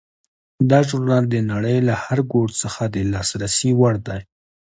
دا ژورنال د نړۍ له هر ګوټ څخه د لاسرسي وړ دی.